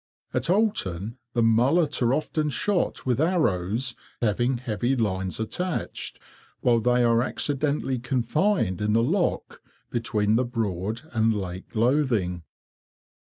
[Picture: Ruffe] At Oulton the mullet are often shot with arrows having heavy lines attached, while they are accidentally confined in the lock between the Broad and Lake Lothing.